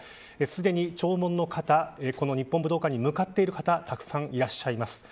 すでに弔問の方この日本武道館に向かっている方たくさんいらっしゃいます。